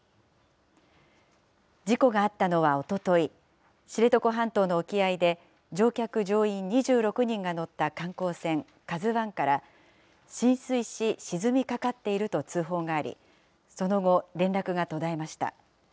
事故があったのはおととい、知床半島の沖合で、乗客・乗員２６人が乗った観光船、ＫＡＺＵ１から浸水し沈みかかっていると通報があり、その後、連絡が途絶えました。